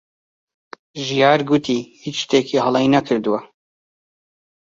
ژیار گوتی هیچ شتێکی هەڵەی نەکردووە.